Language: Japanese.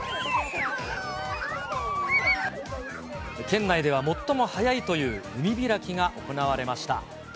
県内では最も早いという海開きが行われました。